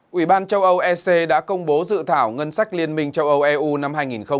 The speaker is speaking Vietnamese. quỹ ban châu âu ec đã công bố dự thảo ngân sách liên minh châu âu eu năm hai nghìn hai mươi